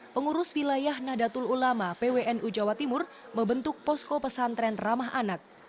pengurus wilayah nadatul ulama pwnu jawa timur membentuk posko pesantren ramah anak